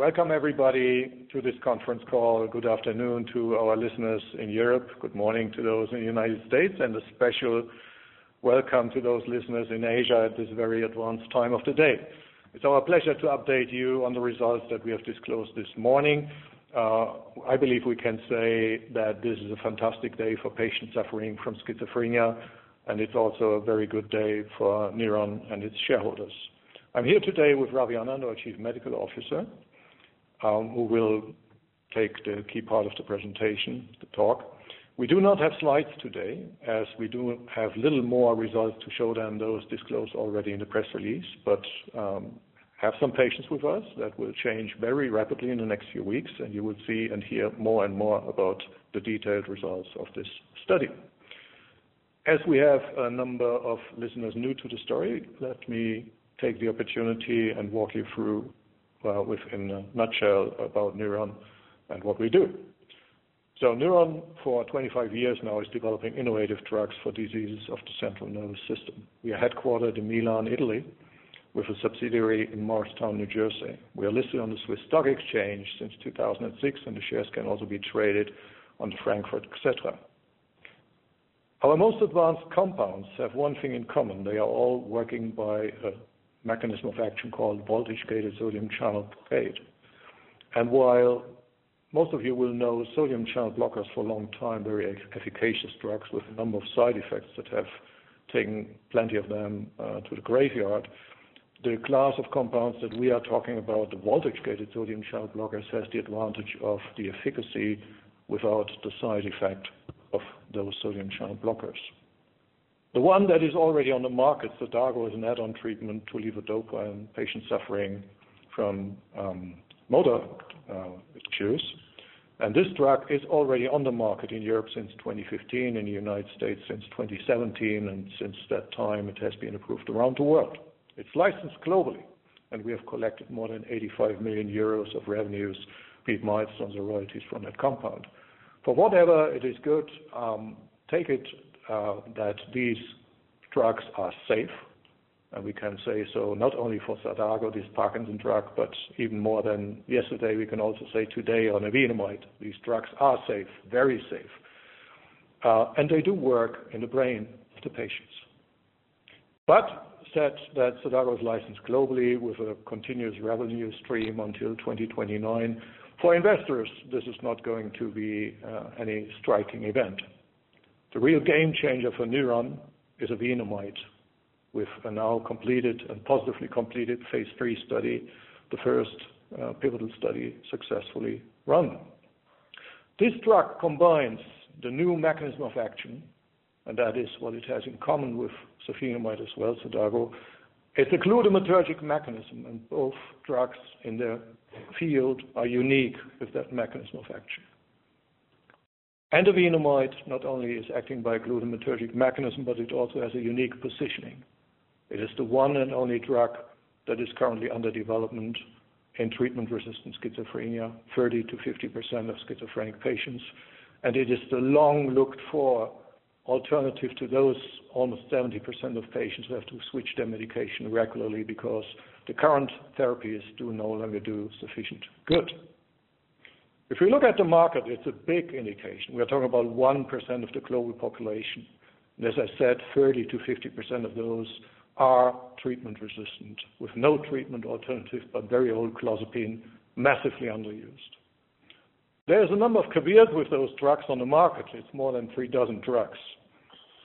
Welcome, everybody, to this conference call. Good afternoon to our listeners in Europe. Good morning to those in the U.S., and a special welcome to those listeners in Asia at this very advanced time of the day. It's our pleasure to update you on the results that we have disclosed this morning. I believe we can say that this is a fantastic day for patients suffering from schizophrenia, and it's also a very good day for Newron and its shareholders. I'm here today with Ravi Anand, our Chief Medical Officer, who will take the key part of the presentation, the talk. We do not have slides today, as we do have little more results to show than those disclosed already in the press release, but have some patience with us. That will change very rapidly in the next few weeks. You will see and hear more and more about the detailed results of this study. As we have a number of listeners new to the story, let me take the opportunity and walk you through within a nutshell about Newron and what we do. Newron, for 25 years now, is developing innovative drugs for diseases of the central nervous system. We are headquartered in Milan, Italy, with a subsidiary in Morristown, New Jersey. We are listed on the Swiss Stock Exchange since 2006, and the shares can also be traded on the Frankfurt, et cetera. Our most advanced compounds have one thing in common. They are all working by a mechanism of action called voltage-gated sodium channel blockade. While most of you will know sodium channel blockers for a long time, very efficacious drugs with a number of side effects that have taken plenty of them to the graveyard, the class of compounds that we are talking about, the voltage-gated sodium channel blockers, has the advantage of the efficacy without the side effect of those sodium channel blockers. The one that is already on the market, Xadago, is an add-on treatment to levodopa in patients suffering from motor issues. This drug is already on the market in Europe since 2015, in the U.S. since 2017, and since that time, it has been approved around the world. It's licensed globally, and we have collected more than 85 million euros of revenues, peak milestones, and royalties from that compound. For whatever it is good, take it that these drugs are safe, and we can say so not only for Xadago, this Parkinson's drug, but even more than yesterday, we can also say today on evenamide, these drugs are safe, very safe. They do work in the brain of the patients. Said that Xadago is licensed globally with a continuous revenue stream until 2029. For investors, this is not going to be any striking event. The real game changer for Newron is evenamide with a now positively completed phase III study, the first pivotal study successfully run. This drug combines the new mechanism of action, and that is what it has in common with safinamide as well, Xadago. It's a glutamatergic mechanism, and both drugs in their field are unique with that mechanism of action. Evenamide not only is acting by a glutamatergic mechanism, but it also has a unique positioning. It is the one and only drug that is currently under development in treatment-resistant schizophrenia, 30%-50% of schizophrenic patients. It is the long-looked-for alternative to those almost 70% of patients who have to switch their medication regularly because the current therapies do no longer do sufficient good. If you look at the market, it's a big indication. We are talking about 1% of the global population. As I said, 30%-50% of those are treatment-resistant with no treatment alternative but very old clozapine, massively underused. There is a number of caveats with those drugs on the market. It's more than 3 dozen drugs.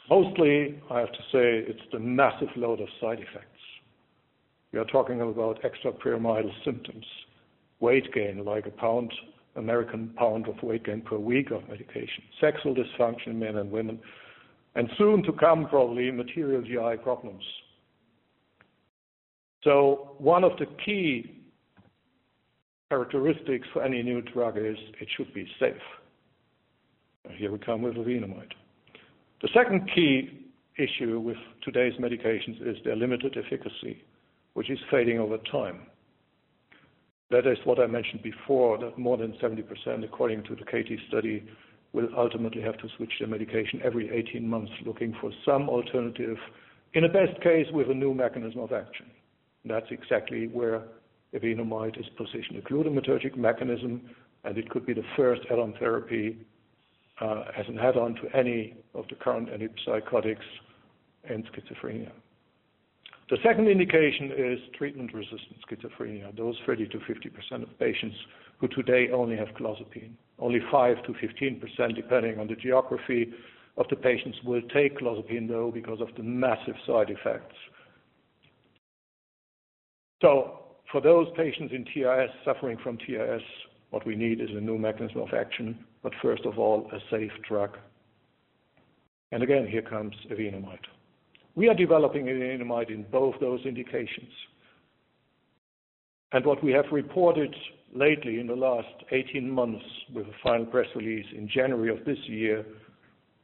Mostly, I have to say it's the massive load of side effects. We are talking about extrapyramidal symptoms, weight gain, like a U.S. pound of weight gain per week of medication, sexual dysfunction in men and women, and soon to come probably, material GI problems. So one of the key characteristics for any new drug is it should be safe. Here we come with evenamide. The second key issue with today's medications is their limited efficacy, which is fading over time. That is what I mentioned before, that more than 70%, according to the CATIE study, will ultimately have to switch their medication every 18 months looking for some alternative, in the best case, with a new mechanism of action. That's exactly where evenamide is positioned. A glutamatergic mechanism, and it could be the first add-on therapy as an add-on to any of the current antipsychotics in schizophrenia. The second indication is treatment-resistant schizophrenia. Those 30%-50% of patients who today only have clozapine. Only 5%-15%, depending on the geography of the patients, will take clozapine, though, because of the massive side effects. So for those patients suffering from TRS, what we need is a new mechanism of action, but first of all, a safe drug. Again, here comes evenamide. We are developing evenamide in both those indications. What we have reported lately in the last 18 months with a final press release in January of this year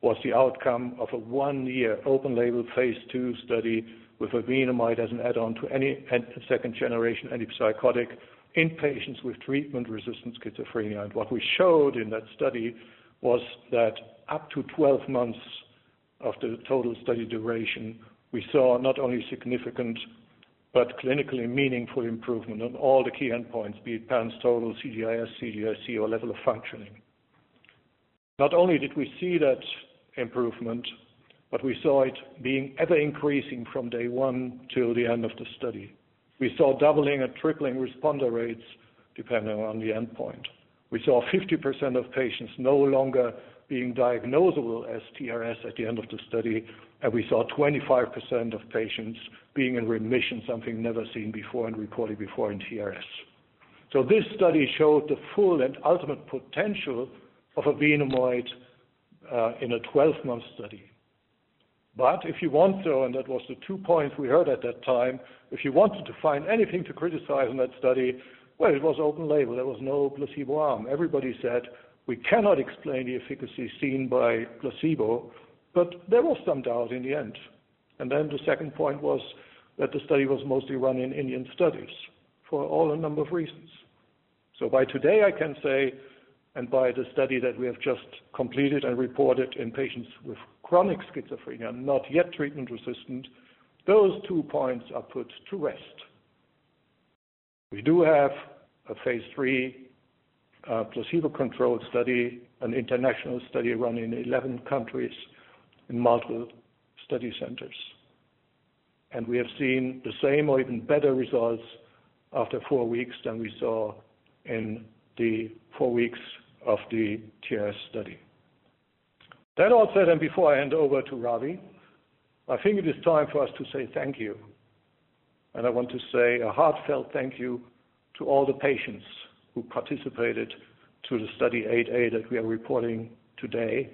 was the outcome of a one-year open label phase II study with evenamide as an add-on to any second-generation antipsychotic in patients with treatment-resistant schizophrenia. What we showed in that study was that up to 12 months after the total study duration, we saw not only significant but clinically meaningful improvement on all the key endpoints, be it PANSS total, CGIS, CGIC, or level of functioning. Not only did we see that improvement, but we saw it being ever-increasing from day one till the end of the study. We saw doubling and tripling responder rates depending on the endpoint. We saw 50% of patients no longer being diagnosable as TRS at the end of the study, and we saw 25% of patients being in remission, something never seen before and reported before in TRS. So this study showed the full and ultimate potential of evenamide in a 12-month study. If you want to, and that was the two points we heard at that time, if you wanted to find anything to criticize in that study, well, it was open label. There was no placebo arm. Everybody said we cannot explain the efficacy seen by placebo, but there was some doubt in the end. The second point was that the study was mostly run in Indian sites for all a number of reasons. By today, I can say, and by the study that we have just completed and reported in patients with chronic schizophrenia, not yet treatment-resistant, those two points are put to rest. We do have a phase III placebo-controlled study, an international study run in 11 countries in multiple study centers. We have seen the same or even better results after four weeks than we saw in the four weeks of the TRS study. That all said. Before I hand over to Ravi, I think it is time for us to say thank you. I want to say a heartfelt thank you to all the patients who participated to the Study 008A that we are reporting today.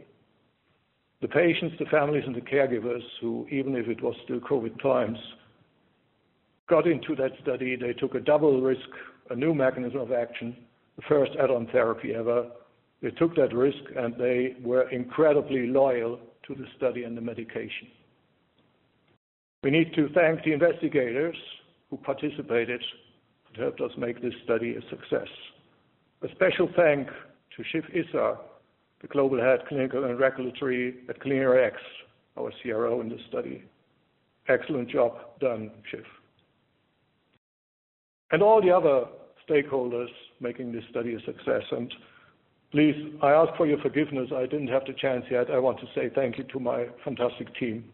The patients, the families, and the caregivers who, even if it was through COVID times, got into that study, they took a double risk, a new mechanism of action, the first add-on therapy ever. They took that risk, and they were incredibly loyal to the study and the medication. We need to thank the investigators who participated to help us make this study a success. A special thanks to Shiv Issar, the Global Head Clinical and Regulatory at CliniRx, our CRO in this study. Excellent job done, Shiv. All the other stakeholders making this study a success. Please, I ask for your forgiveness, I didn't have the chance yet, I want to say thank you to my fantastic team,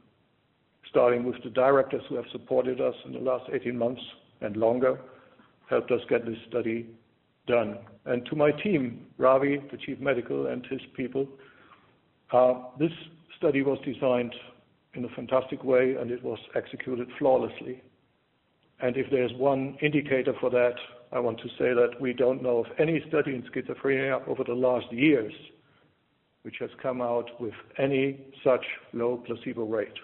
starting with the directors who have supported us in the last 18 months and longer, helped us get this study done. To my team, Ravi, the Chief Medical and his people. This study was designed in a fantastic way, and it was executed flawlessly. If there's one indicator for that, I want to say that we don't know of any study in schizophrenia over the last years which has come out with any such low placebo rate.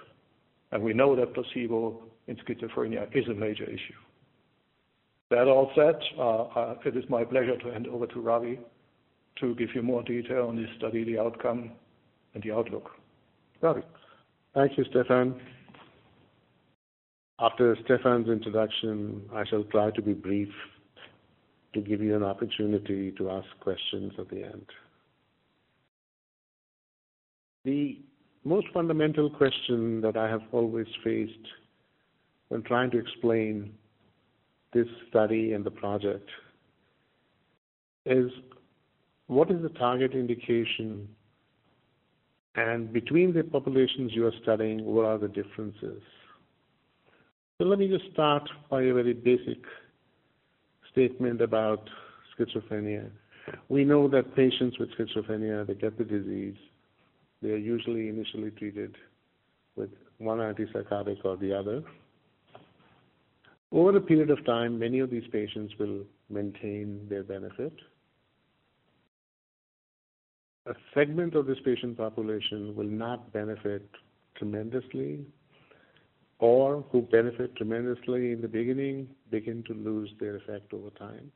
We know that placebo in schizophrenia is a major issue. That all said, it is my pleasure to hand over to Ravi to give you more detail on this study, the outcome, and the outlook. Ravi. Thank you, Stefan. After Stefan's introduction, I shall try to be brief to give you an opportunity to ask questions at the end. The most fundamental question that I have always faced when trying to explain this study and the project is what is the target indication, and between the populations you are studying, what are the differences? Let me just start by a very basic statement about schizophrenia. We know that patients with schizophrenia, they get the disease. They're usually initially treated with one antipsychotic or the other. Over the period of time, many of these patients will maintain their benefit. A segment of this patient population will not benefit tremendously or who benefit tremendously in the beginning begin to lose their effect over time.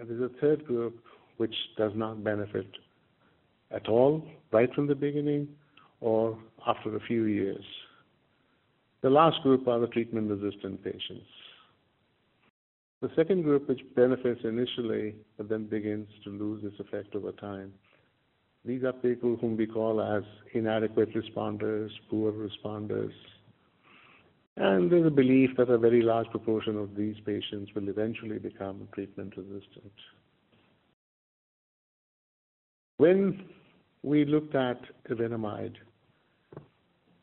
There's a third group which does not benefit at all right from the beginning or after a few years. The last group are the treatment-resistant patients. The second group, which benefits initially but then begins to lose its effect over time. These are people whom we call as inadequate responders, poor responders, and there's a belief that a very large proportion of these patients will eventually become treatment resistant. When we looked at evenamide,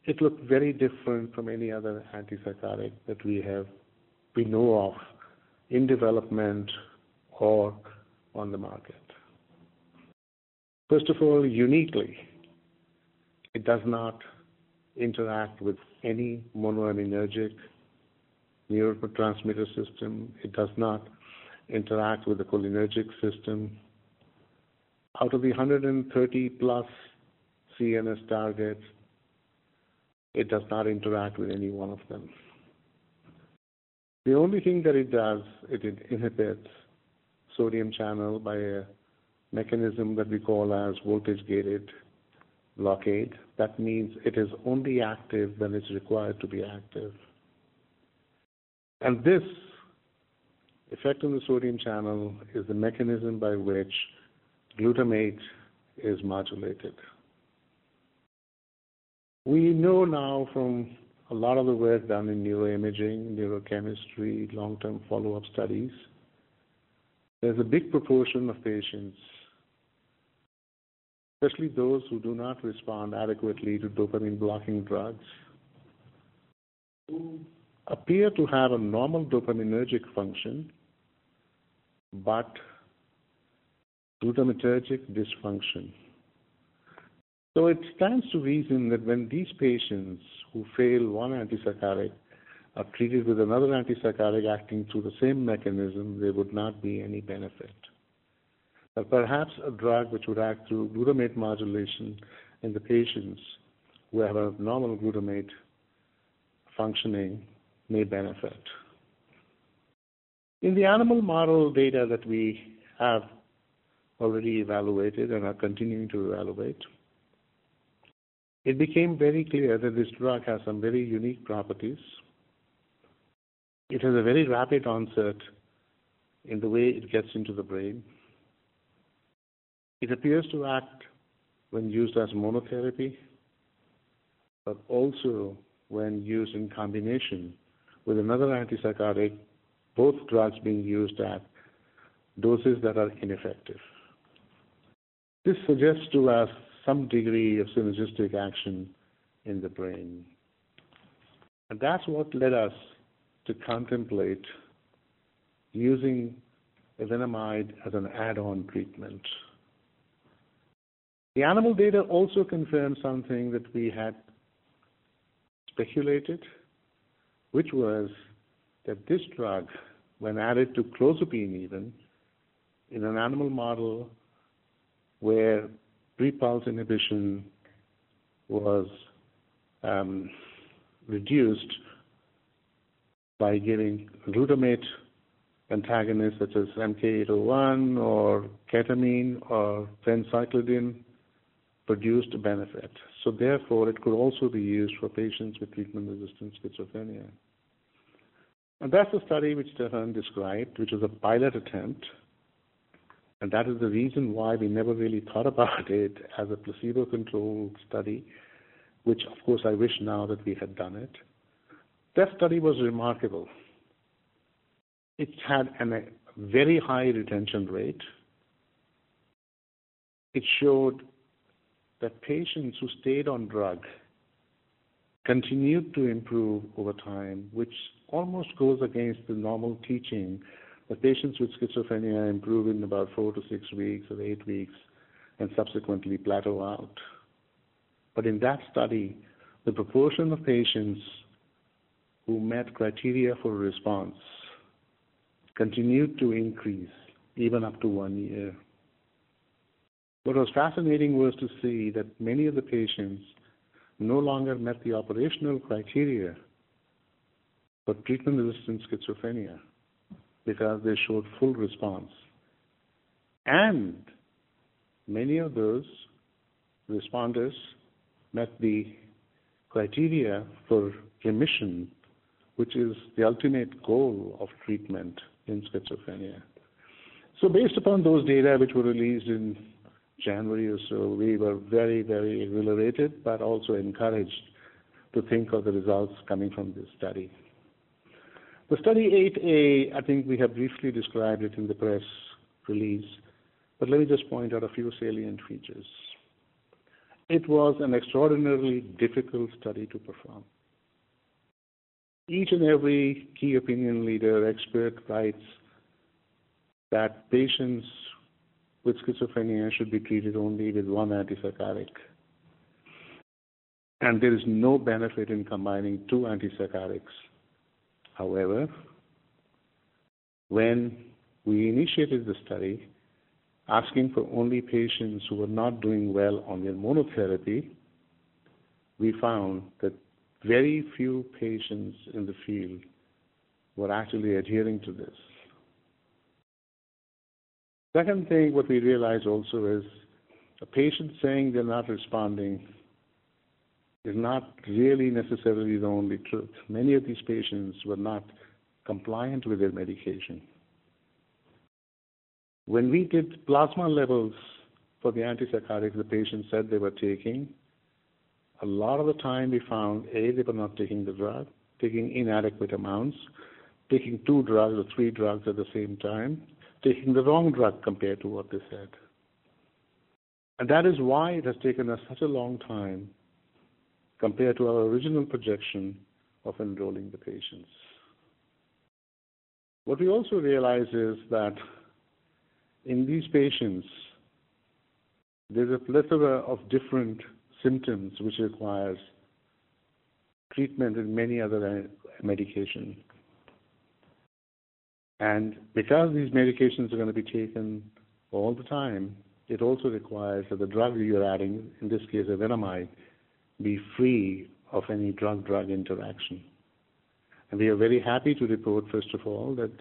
it looked very different from any other antipsychotic that we know of in development or on the market. First of all, uniquely, it does not interact with any monoaminergic neurotransmitter system. It does not interact with the cholinergic system. Out of the 130 plus CNS targets, it does not interact with any one of them. The only thing that it does, it inhibits sodium channel by a mechanism that we call as voltage-gated blockade. That means it is only active when it's required to be active. And this effect on the sodium channel is the mechanism by which glutamate is modulated. We know now from a lot of the work done in neuroimaging, neurochemistry, long-term follow-up studies, there's a big proportion of patients, especially those who do not respond adequately to dopamine-blocking drugs, who appear to have a normal dopaminergic function but glutamatergic dysfunction. It stands to reason that when these patients who fail one antipsychotic are treated with another antipsychotic acting through the same mechanism, there would not be any benefit. Perhaps a drug which would act through glutamate modulation in the patients who have abnormal glutamate functioning may benefit. In the animal model data that we have already evaluated and are continuing to evaluate, it became very clear that this drug has some very unique properties. It has a very rapid onset in the way it gets into the brain. It appears to act when used as monotherapy, but also when used in combination with another antipsychotic, both drugs being used at doses that are ineffective. This suggests to us some degree of synergistic action in the brain. That's what led us to contemplate using evenamide as an add-on treatment. The animal data also confirmed something that we had speculated, which was that this drug, when added to clozapine even, in an animal model where pre-pulse inhibition was reduced by giving glutamate antagonists such as MK-801 or ketamine or phencyclidine, produced a benefit. Therefore, it could also be used for patients with treatment-resistant schizophrenia. That's a study which Stefan described, which is a pilot attempt, and that is the reason why we never really thought about it as a placebo-controlled study, which of course, I wish now that we had done it. That study was remarkable. It had a very high retention rate. It showed that patients who stayed on drug continued to improve over time, which almost goes against the normal teaching that patients with schizophrenia improve in about four to six weeks or eight weeks and subsequently plateau out. In that study, the proportion of patients who met criteria for response continued to increase even up to one year. What was fascinating was to see that many of the patients no longer met the operational criteria for treatment-resistant schizophrenia because they showed full response. Many of those responders met the criteria for remission, which is the ultimate goal of treatment in schizophrenia. Based upon those data, which were released in January or so, we were very, very exhilarated but also encouraged to think of the results coming from this study. The Study 008A, I think we have briefly described it in the press release, but let me just point out a few salient features. It was an extraordinarily difficult study to perform. Each and every key opinion leader, expert writes that patients with schizophrenia should be treated only with one antipsychotic. There is no benefit in combining two antipsychotics. However, when we initiated the study, asking for only patients who were not doing well on their monotherapy, we found that very few patients in the field were actually adhering to this. Second thing, what we realized also is a patient saying they're not responding is not really necessarily the only truth. Many of these patients were not compliant with their medication. When we did plasma levels for the antipsychotic the patients said they were taking, a lot of the time, we found, A, they were not taking the drug, taking inadequate amounts, taking two drugs or three drugs at the same time, taking the wrong drug compared to what they said. That is why it has taken us such a long time compared to our original projection of enrolling the patients. What we also realized is that in these patients, there's a plethora of different symptoms which requires treatment and many other medication. Because these medications are going to be taken all the time, it also requires that the drug you're adding, in this case, evenamide, be free of any drug-drug interaction. We are very happy to report, first of all, that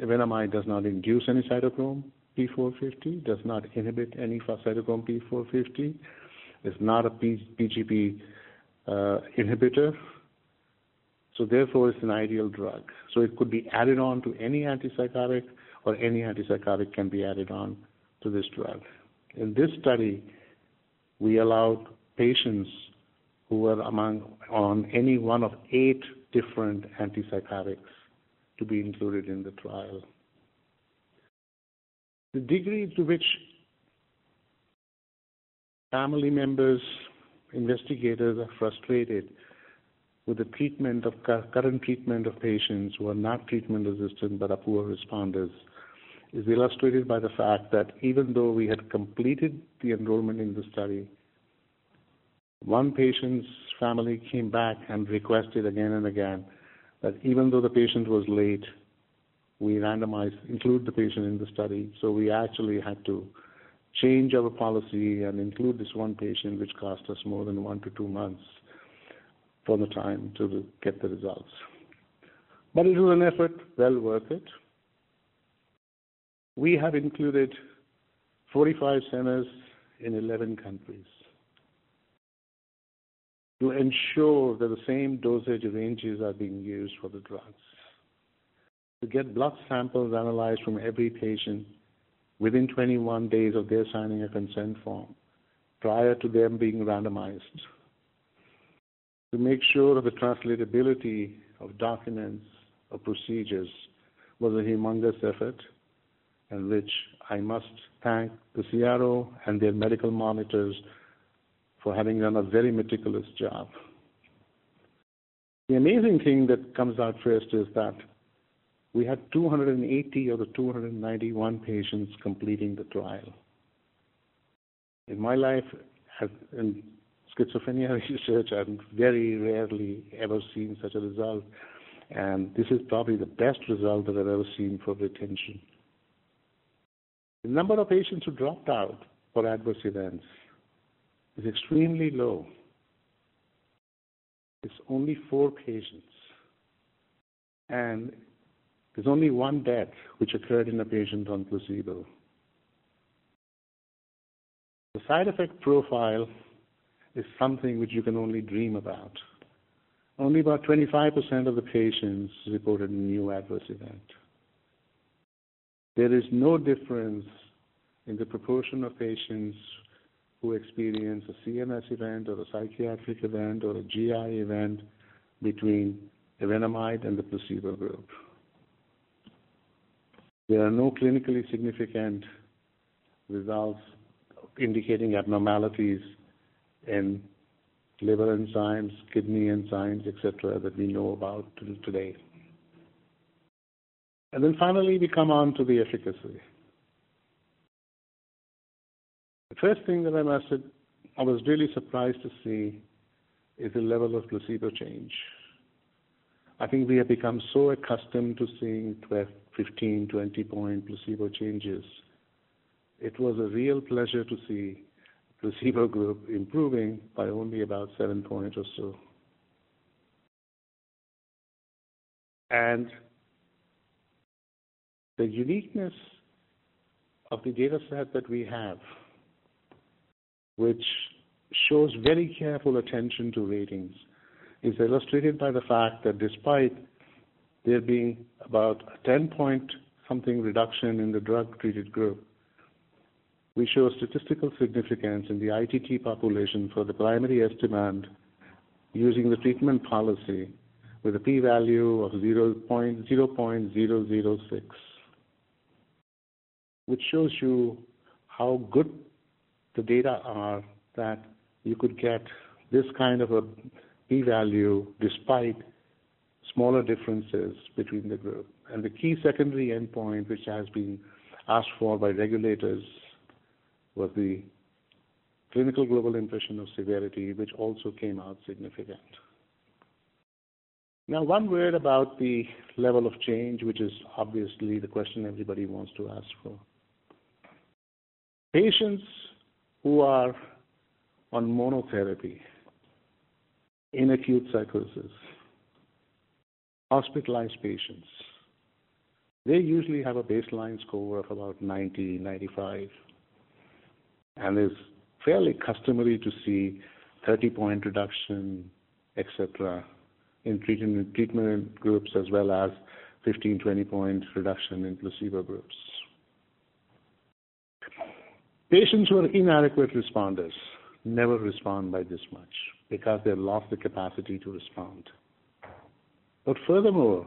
evenamide does not induce any cytochrome P450, does not inhibit any cytochrome P450. It's not a P-gp inhibitor, therefore, it's an ideal drug. It could be added on to any antipsychotic, or any antipsychotic can be added on to this drug. In this study, we allowed patients who were on any one of eight different antipsychotics to be included in the trial. The degree to which family members, investigators are frustrated with the current treatment of patients who are not treatment resistant, but are poor responders, is illustrated by the fact that even though we had completed the enrollment in the study, one patient's family came back and requested again and again that even though the patient was late, we randomize, include the patient in the study. We actually had to change our policy and include this one patient, which cost us more than 1 to 2 months for the time to get the results. It was an effort well worth it. We have included 45 centers in 11 countries. To ensure that the same dosage ranges are being used for the drugs. To get blood samples analyzed from every patient within 21 days of their signing a consent form prior to them being randomized. To make sure the translatability of documents or procedures was a humongous effort in which I must thank the CRO and their medical monitors for having done a very meticulous job. The amazing thing that comes out first is that we had 280 of the 291 patients completing the trial. In my life, in schizophrenia research, I've very rarely ever seen such a result, and this is probably the best result that I've ever seen for retention. The number of patients who dropped out for adverse events is extremely low. It's only four patients, and there's only one death, which occurred in a patient on placebo. The side effect profile is something which you can only dream about. Only about 25% of the patients reported a new adverse event. There is no difference in the proportion of patients who experience a CNS event or a psychiatric event or a GI event between evenamide and the placebo group. There are no clinically significant results indicating abnormalities in liver enzymes, kidney enzymes, et cetera, that we know about till today. Finally, we come on to the efficacy. The first thing that I was really surprised to see, is the level of placebo change. I think we have become so accustomed to seeing 12, 15, 20-point placebo changes. It was a real pleasure to see placebo group improving by only about seven points or so. The uniqueness of the data set that we have, which shows very careful attention to ratings, is illustrated by the fact that despite there being about a 10-point something reduction in the drug-treated group, we show a statistical significance in the ITT population for the primary endpoint using the treatment policy with a p-value of 0.006, which shows you how good the data are that you could get this kind of a p-value despite smaller differences between the group. The key secondary endpoint, which has been asked for by regulators, was the Clinical Global Impression of Severity, which also came out significant. One word about the level of change, which is obviously the question everybody wants to ask for. Patients who are on monotherapy in acute psychosis, hospitalized patients, they usually have a baseline score of about 90, 95, and it's fairly customary to see 30-point reduction, et cetera, in treatment groups, as well as 15, 20-point reduction in placebo groups. Patients who are inadequate responders never respond by this much because they lost the capacity to respond. Furthermore,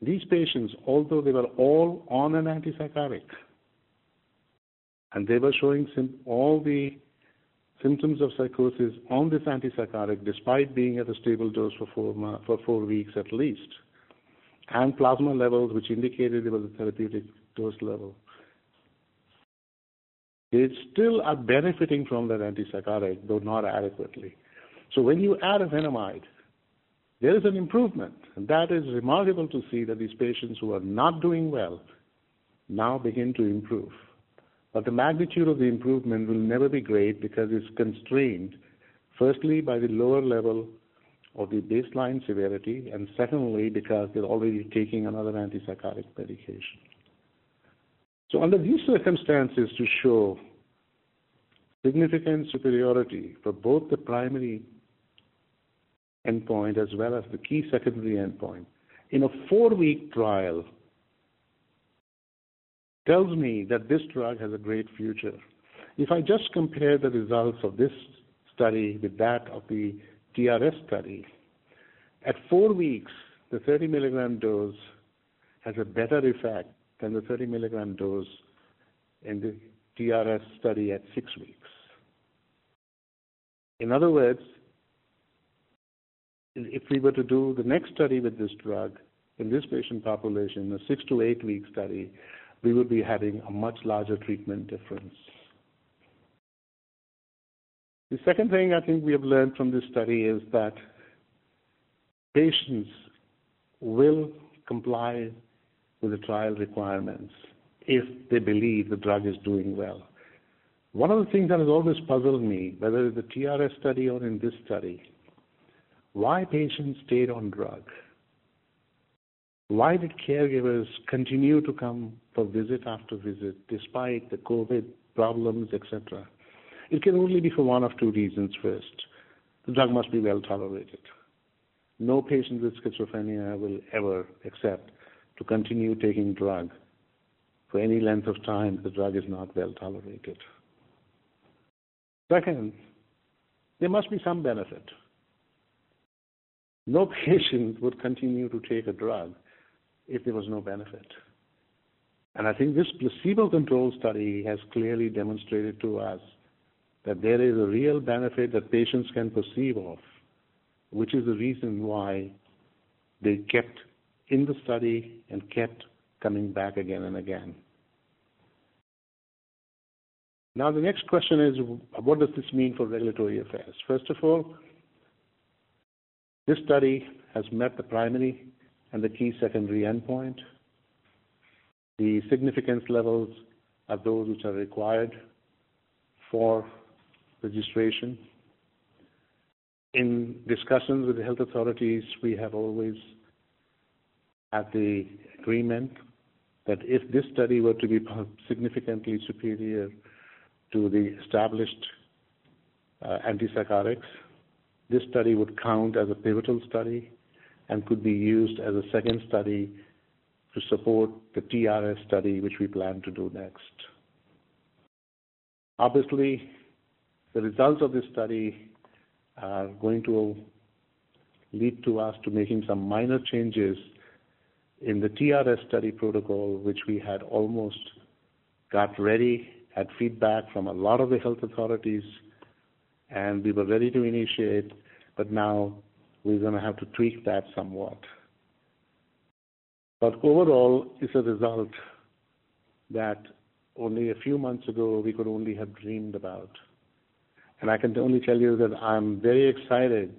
these patients, although they were all on an antipsychotic, and they were showing all the symptoms of psychosis on this antipsychotic, despite being at a stable dose for four weeks at least, and plasma levels, which indicated it was a therapeutic dose level, they still are benefiting from that antipsychotic, though not adequately. When you add evenamide, there is an improvement. That is remarkable to see that these patients who are not doing well now begin to improve. The magnitude of the improvement will never be great because it's constrained, firstly, by the lower level of the baseline severity and secondly, because they're already taking another antipsychotic medication. Under these circumstances, to show significant superiority for both the primary endpoint as well as the key secondary endpoint in a four-week trial, tells me that this drug has a great future. If I just compare the results of this study with that of the TRS study, at four weeks, the 30 milligram dose has a better effect than the 30 milligram dose in the TRS study at six weeks. In other words, if we were to do the next study with this drug, in this patient population, a six to eight-week study, we would be having a much larger treatment difference. The second thing I think we have learned from this study is that patients will comply with the trial requirements if they believe the drug is doing well. One of the things that has always puzzled me, whether in the TRS study or in this study, why patients stayed on drug. Why did caregivers continue to come for visit after visit despite the COVID problems, et cetera? It can only be for one of two reasons. First, the drug must be well-tolerated. No patient with schizophrenia will ever accept to continue taking drug for any length of time if the drug is not well tolerated. Second, there must be some benefit. No patient would continue to take a drug if there was no benefit. I think this placebo control study has clearly demonstrated to us that there is a real benefit that patients can perceive of, which is the reason why they kept in the study and kept coming back again and again. The next question is, what does this mean for regulatory affairs? First of all, this study has met the primary and the key secondary endpoint. The significance levels are those which are required for registration. In discussions with the health authorities, we have always had the agreement that if this study were to be significantly superior to the established antipsychotics, this study would count as a pivotal study and could be used as a second study to support the TRS study, which we plan to do next. Obviously, the results of this study are going to lead to us to making some minor changes in the TRS study protocol, which we had almost got ready, had feedback from a lot of the health authorities, and we were ready to initiate, but now we're going to have to tweak that somewhat. Overall, it's a result that only a few months ago we could only have dreamed about. I can only tell you that I'm very excited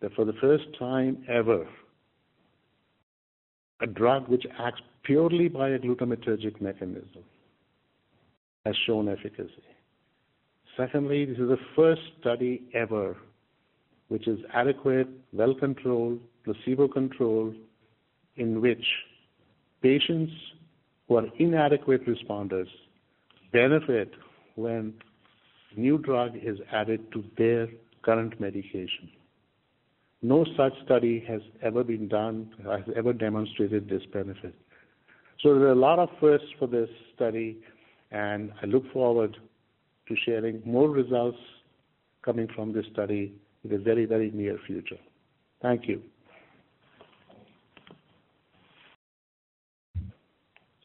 that for the first time ever, a drug which acts purely by a glutamatergic mechanism has shown efficacy. Secondly, this is the first study ever which is adequate, well-controlled, placebo-controlled, in which patients who are inadequate responders benefit when new drug is added to their current medication. No such study has ever been done, has ever demonstrated this benefit. There are a lot of firsts for this study, and I look forward to sharing more results coming from this study in the very near future. Thank you.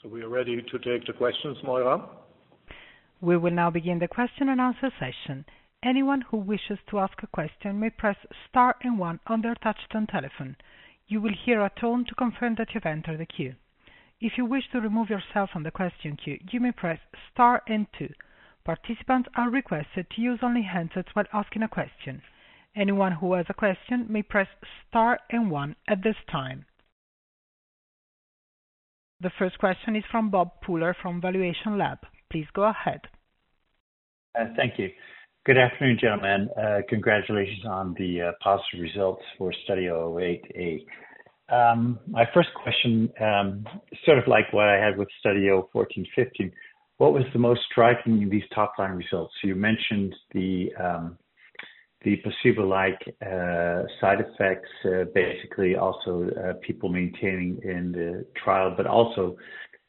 We are ready to take the questions, Moira. We will now begin the question and answer session. Anyone who wishes to ask a question may press star 1 on their touch-tone telephone. You will hear a tone to confirm that you've entered the queue. If you wish to remove yourself from the question queue, you may press star 2. Participants are requested to use only handsets while asking a question. Anyone who has a question may press star 1 at this time. The first question is from Bob Pooler from valuationLAB AG. Please go ahead. Thank you. Good afternoon, gentlemen. Congratulations on the positive results for Study 008A. My first question, sort of like what I had with Study 014/15, what was the most striking in these top-line results? You mentioned the placebo-like side effects, basically, also people maintaining in the trial, but also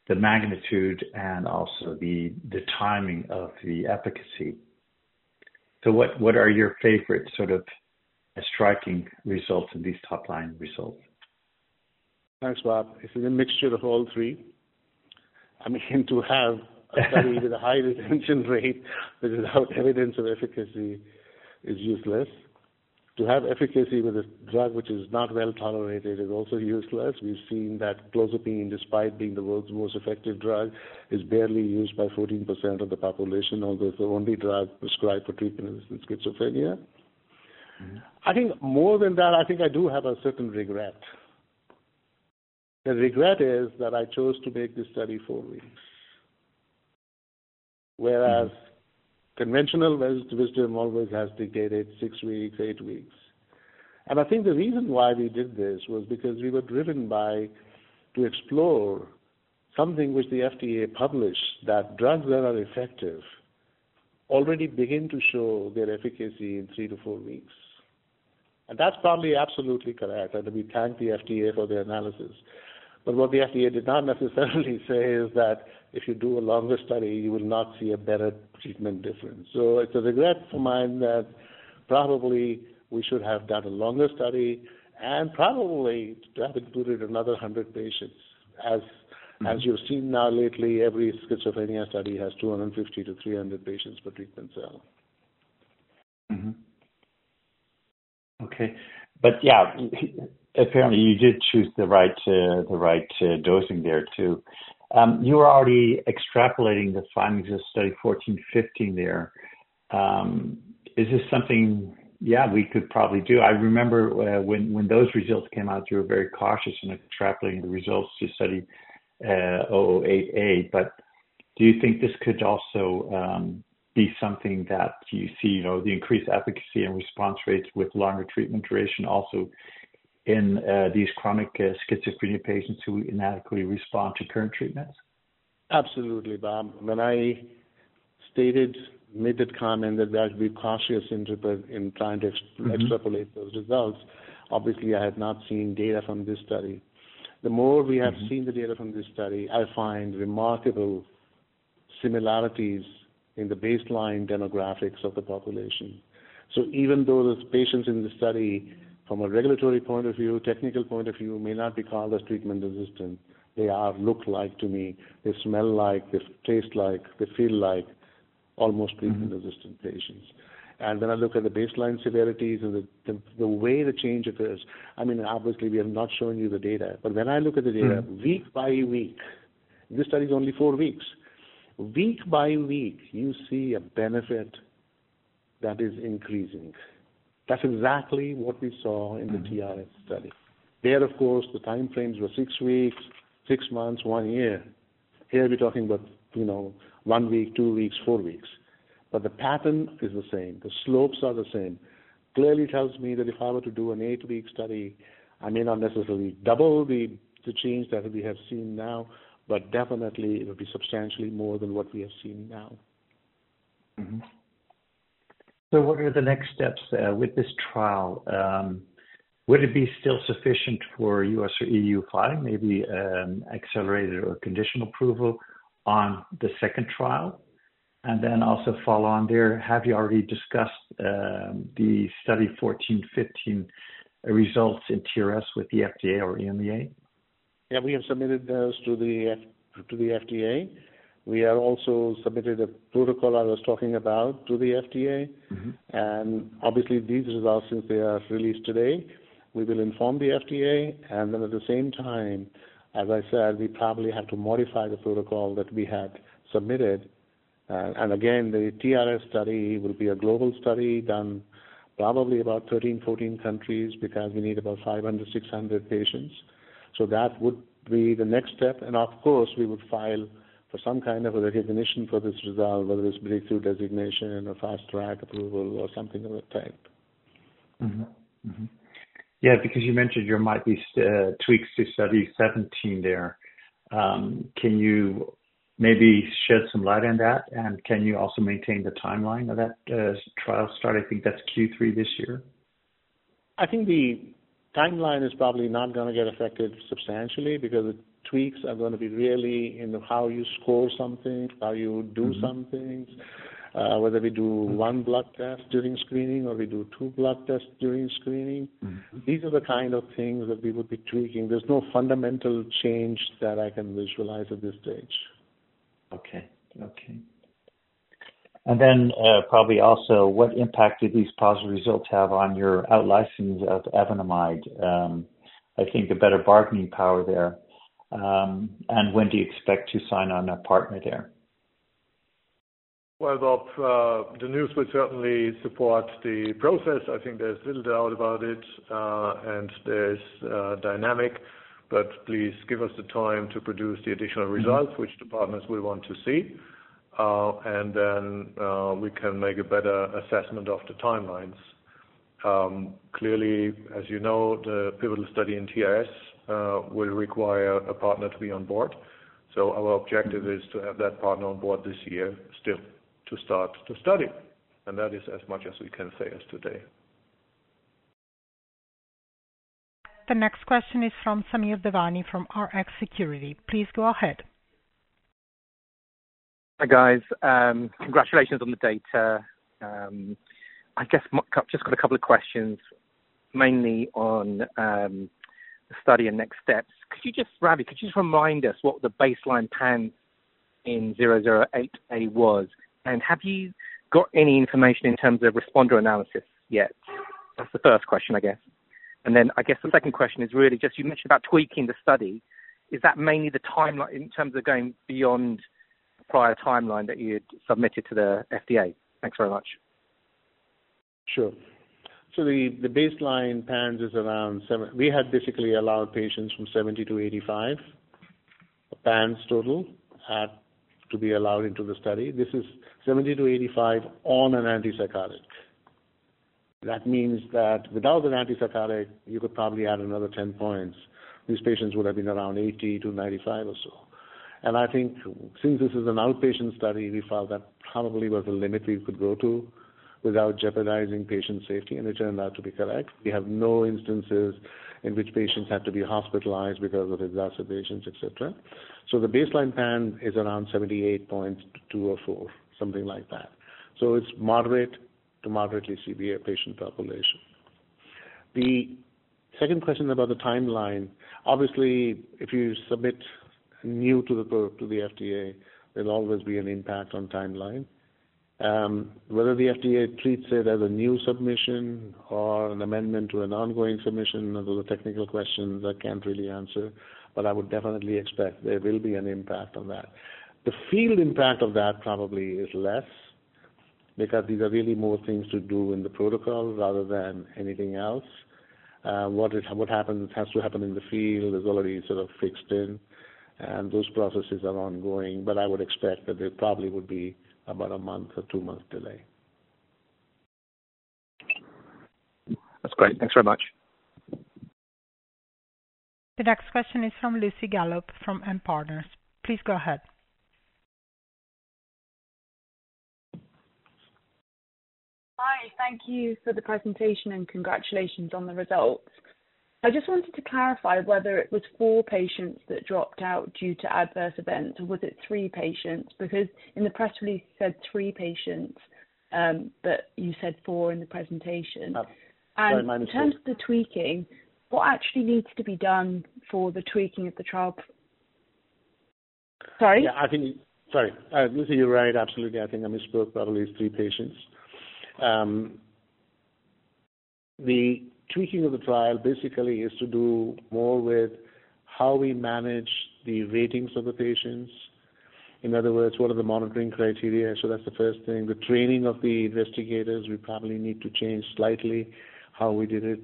the magnitude and also the timing of the efficacy. What are your favorite sort of striking results in these top-line results? Thanks, Bob. It is a mixture of all three. I mean, to have a study with a high retention rate but without evidence of efficacy is useless. To have efficacy with a drug which is not well tolerated is also useless. We've seen that clozapine, despite being the world's most effective drug, is barely used by 14% of the population, although it's the only drug prescribed for treatment in schizophrenia. I think more than that, I think I do have a certain regret. The regret is that I chose to make this study 4 weeks. Whereas conventional wisdom always has dictated 6 weeks, 8 weeks. I think the reason why we did this was because we were driven to explore something which the FDA published, that drugs that are effective already begin to show their efficacy in 3 to 4 weeks. That's probably absolutely correct, and we thank the FDA for the analysis. What the FDA did not necessarily say is that if you do a longer study, you will not see a better treatment difference. It's a regret of mine that probably we should have done a longer study, and probably to have included another 100 patients. As you've seen now lately, every schizophrenia study has 250 to 300 patients per treatment cell. Mm-hmm. Okay. Yeah, apparently you did choose the right dosing there too. You were already extrapolating the findings of Study 014/15 there. Is this something, yeah, we could probably do. I remember when those results came out, you were very cautious in extrapolating the results to Study 008A, but do you think this could also be something that you see the increased efficacy and response rates with longer treatment duration also in these chronic schizophrenia patients who inadequately respond to current treatments? Absolutely, Bob. When I made the comment that I'd be cautious in trying to extrapolate those results, obviously I had not seen data from this study. The more we have seen the data from this study, I find remarkable similarities in the baseline demographics of the population. Even though the patients in the study, from a regulatory point of view, technical point of view, may not be called as treatment-resistant, they look like to me, they smell like, they taste like, they feel like almost treatment-resistant patients. When I look at the baseline severities and the way the change occurs, I mean, obviously we are not showing you the data. When I look at the data week by week, this study is only four weeks. Week by week, you see a benefit that is increasing. That's exactly what we saw in the TRS study. There, of course, the time frames were six weeks, six months, one year. Here we're talking about one week, two weeks, four weeks. The pattern is the same. The slopes are the same. Clearly tells me that if I were to do an eight-week study, I may not necessarily double the change that we have seen now, but definitely it will be substantially more than what we have seen now. What are the next steps with this trial? Would it be still sufficient for U.S. or EU filing, maybe an accelerated or conditional approval on the second trial? Also follow on there, have you already discussed the Study 014/15 results in TRS with the FDA or EMA? Yeah, we have submitted those to the FDA. We have also submitted a protocol I was talking about to the FDA. Obviously these results, since they are released today, we will inform the FDA. Then at the same time, as I said, we probably have to modify the protocol that we had submitted. Again, the TRS study will be a global study done probably about 13, 14 countries, because we need about 500 to 600 patients. That would be the next step. Of course, we would file for some kind of a recognition for this result, whether it's Breakthrough designation or Fast Track approval or something of that type. Mm-hmm. Because you mentioned there might be tweaks to Study 017 there. Can you maybe shed some light on that? Can you also maintain the timeline of that trial start? I think that's Q3 this year. I think the timeline is probably not going to get affected substantially because the tweaks are going to be really in how you score something, how you do some things, whether we do one blood test during screening or we do two blood tests during screening. These are the kind of things that we would be tweaking. There's no fundamental change that I can visualize at this stage. Okay. Probably also, what impact did these positive results have on your out-license of evenamide? I think a better bargaining power there. When do you expect to sign on a partner there? Well, Bob, the news would certainly support the process. I think there's little doubt about it, and there's dynamic. Please give us the time to produce the additional results which the partners will want to see. Then we can make a better assessment of the timelines. Clearly, as you know, the pivotal study in TRS will require a partner to be on board. Our objective is to have that partner on board this year still to start the study. That is as much as we can say as today. The next question is from Samir Devani from Rx Securities. Please go ahead. Hi, guys. Congratulations on the data. I guess just got a couple of questions, mainly on the study and next steps. Ravi, could you just remind us what the baseline PANSS in Study 008A was? Have you got any information in terms of responder analysis yet? That's the first question, I guess. I guess the second question is really just you mentioned about tweaking the study. Is that mainly the timeline in terms of going beyond prior timeline that you had submitted to the FDA? Thanks very much. The baseline PANSS is around 78.2. We had basically allowed patients from 70-85, PANSS total, to be allowed into the study. This is 70-85 on an antipsychotic. That means that without an antipsychotic, you could probably add another 10 points. These patients would have been around 80-95 or so. I think since this is an outpatient study, we felt that probably was the limit we could go to without jeopardizing patient safety, and it turned out to be correct. We have no instances in which patients had to be hospitalized because of exacerbations, et cetera. The baseline PANSS is around 78.2 or 4, something like that. It is moderate to moderately severe patient population. The second question about the timeline. Obviously, if you submit new to the FDA, there will always be an impact on timeline. Whether the FDA treats it as a new submission or an amendment to an ongoing submission, those are technical questions I cannot really answer. I would definitely expect there will be an impact on that. The field impact of that probably is less, because these are really more things to do in the protocol rather than anything else. What has to happen in the field is already sort of fixed in, and those processes are ongoing. I would expect that there probably would be about a month or two months delay. That is great. Thanks very much. The next question is from Lucy Gallop from Em Partners. Please go ahead. Hi, thank you for the presentation, and congratulations on the results. I just wanted to clarify whether it was 4 patients that dropped out due to adverse events, or was it 3 patients? Because in the press release, you said 3 patients, but you said 4 in the presentation. Sorry, my mistake. In terms of the tweaking, what actually needs to be done for the tweaking of the trial? Sorry? Yeah. Sorry. Lucy, you're right. Absolutely. I think I misspoke. Probably it's 3 patients. The tweaking of the trial basically is to do more with how we manage the ratings of the patients. In other words, what are the monitoring criteria? That's the first thing. The training of the investigators, we probably need to change slightly how we did it.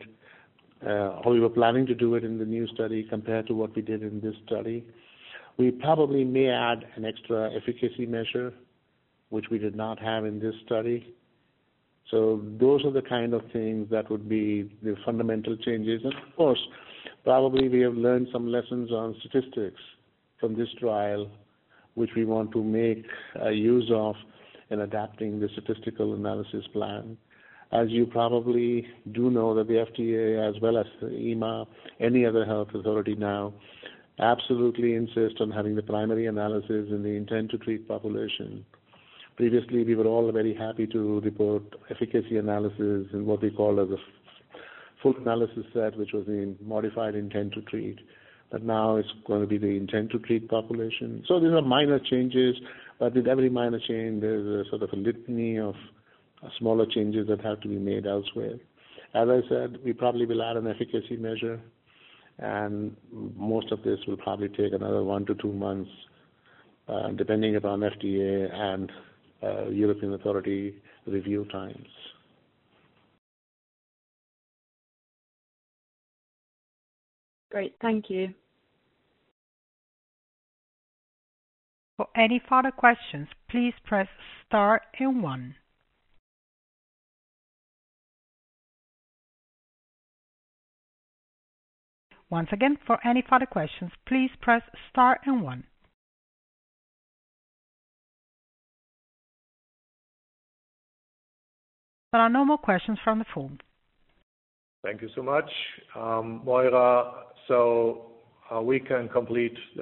How we were planning to do it in the new study compared to what we did in this study. We probably may add an extra efficacy measure, which we did not have in this study. Those are the kind of things that would be the fundamental changes. Of course, probably we have learned some lessons on statistics from this trial, which we want to make use of in adapting the statistical analysis plan. As you probably do know that the FDA, as well as the EMA, any other health authority now, absolutely insist on having the primary analysis in the intent-to-treat population. Previously, we were all very happy to report efficacy analysis in what we call the full analysis set, which was in modified intent-to-treat. Now it's going to be the intent-to-treat population. These are minor changes, but with every minor change, there's a sort of a litany of smaller changes that have to be made elsewhere. As I said, we probably will add an efficacy measure, and most of this will probably take another 1 to 2 months, depending upon FDA and European authority review times. Great. Thank you. For any further questions, please press star and one. Once again, for any further questions, please press star and one. There are no more questions from the phone. Thank you so much, Moira. We can complete